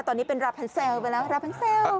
ตอนนี้เป็นราพันเซลล์ไปแล้วราพันเซล